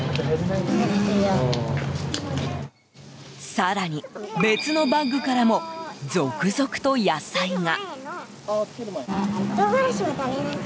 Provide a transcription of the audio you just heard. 更に別のバッグからも続々と野菜が。